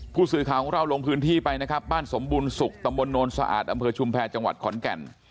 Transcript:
ผู้สื่อข่าวของเราลงพื้นที่ไปนะครับบ้านสมบูรณ์สุขตนสะอาดอชุมแพทย์จขอนแก่น